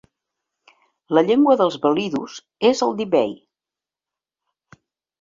La llengua dels velidus és el divehi.